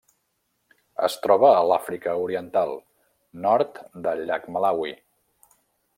Es troba a l'Àfrica Oriental: nord del llac Malawi.